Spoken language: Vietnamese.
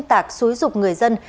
hình tạc xúi dục người dân